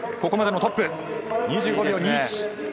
ここまでのトップ２５秒２１。